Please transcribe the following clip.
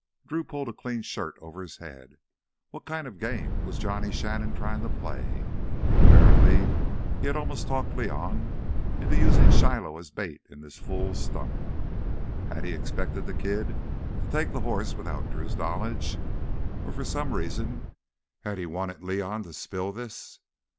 Drew pulled a clean shirt over his head. What kind of game was Johnny Shannon trying to play? Apparently he had almost talked León into using Shiloh as bait in this fool stunt. Had he expected the kid to take the horse without Drew's knowledge? Or for some reason had he wanted León to spill this?